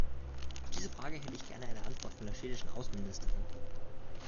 Auf diese Frage hätte ich gern eine Antwort von der schwedischen Außenministerin.